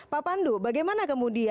pak pandu bagaimana